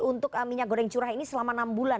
untuk minyak goreng curah ini selama enam bulan